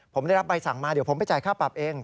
ผมได้รับใบสั่งมาเดี๋ยวผมไปจ่ายค่าปรับเอง